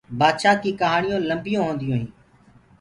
بآدڇآنٚ ڪيٚ ڪهآڻيونٚ لَميِ هونديونٚ هينٚ۔